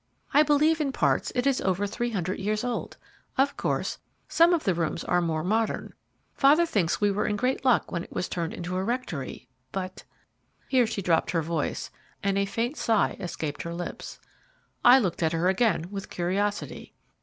I believe in parts it is over three hundred years old. Of course, some of the rooms are more modern. Father thinks we were in great luck when it was turned into a rectory, but " Here she dropped her voice, and a faint sigh escaped her lips. I looked at her again with curiosity.